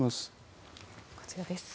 こちらです。